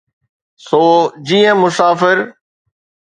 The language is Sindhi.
سو جيئن مسافر.